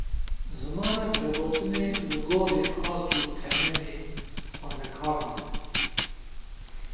Zimanê vegotinê li gorî ast û temenê xwendekaran e?